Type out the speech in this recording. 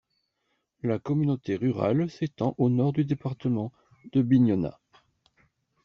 La communauté rurale s'étend au nord du département de Bignona.